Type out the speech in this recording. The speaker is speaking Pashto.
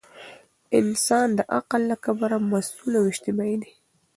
انسان د عقل له کبله مسؤل او اجتماعي دی.